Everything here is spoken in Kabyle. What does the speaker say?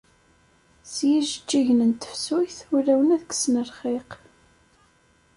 S yijeǧǧigen n tefsut ulawen ad kksen lxiq.